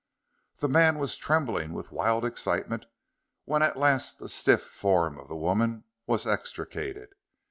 The man was trembling with wild excitement when at last the stiff form of the woman was extricated.